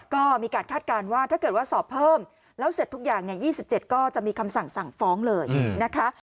ก็มีการคาดการณ์ว่าถ้าเกิดว่าสอบเพิ่มแล้วเสร็จทุกอย่าง๒๗ก็จะมีคำสั่งสั่งฟ้องเลยนะคะ